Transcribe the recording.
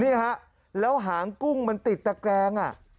นี่ครับแล้วหางกุ้งมันติดแต่แกรง